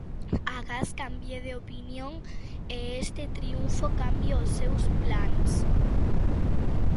Agás cambie de opinión e este triunfo cambie os seus plans.